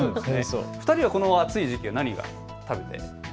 ２人はこの暑い時期には何を食べていますか。